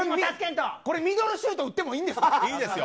ミドルシュート打ってもいいんですか？